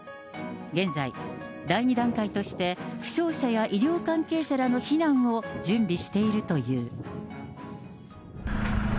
現在、第２段階として、負傷者や医療関係者らの避難を準備しているという。